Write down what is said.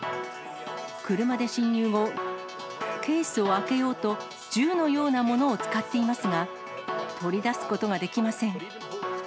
車で侵入後、ケースを開けようと銃のようなものを使っていますが、取り出すことができません。